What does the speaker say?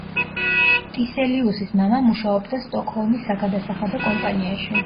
ტისელიუსის მამა მუშაობდა სტოკჰოლმის საგადასახადო კომპანიაში.